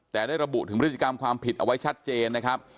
แต่ได้ระบุถึงพฤติกรรมความผิดเอาไว้ชัดเจนนะครับ